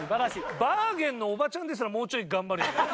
バーゲンのおばちゃんですらもうちょい頑張れるよ。